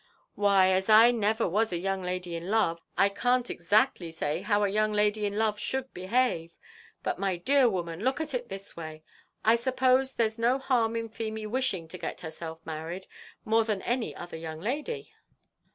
"Why, as I never was a young lady in love, I can't exactly say how a young lady in love should behave; but, my dear woman, look at it this way; I suppose there's no harm in Feemy wishing to get herself married, more than any other young lady?"